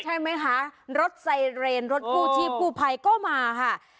ใช่ไหมคะรถไซเรนรถกู้ชีพกู้ภัยก็มาค่ะ